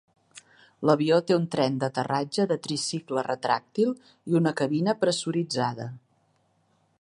L'avió té un tren d'aterratge de tricicle retràctil i una cabina pressuritzada.